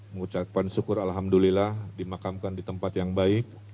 mengucapkan syukur alhamdulillah dimakamkan di tempat yang baik